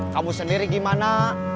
kamu sendiri gimana